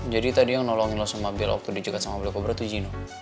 jadi tadi yang nolongin lo sama bella waktu dijegat sama black cobra itu gino